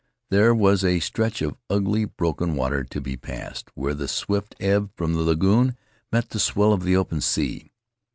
There was a stretch of ugly, broken water to be passed, where the swift ebb from the lagoon met the swell of the open sea.